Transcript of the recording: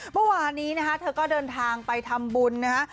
เมื่อวานนี้นะคะเธอก็เดินทางไปทำบุญนะฮะ